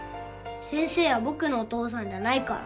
先生は僕のお父さんじゃないから。